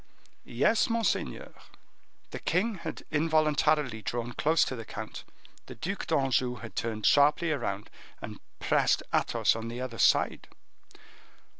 "Yes, monseigneur." The king had involuntarily drawn close to the count, the Duc d'Anjou had turned sharply round, and pressed Athos on the other side.